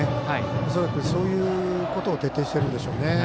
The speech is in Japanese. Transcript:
恐らく、そういうことを徹底してるんでしょうね。